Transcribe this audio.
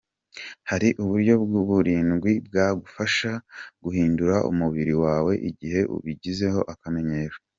Hari uburyo burindwi bwagufasha guhindura umubiri wawe igihe ubugize akamenyero.